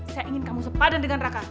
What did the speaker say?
saya ingin kamu sepadan dengan raka